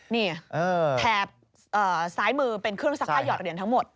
นี่แถบซ้ายมือเป็นเครื่องซักผ้าหอดเหรียญทั้งหมด